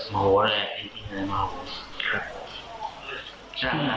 มะโหวอะไร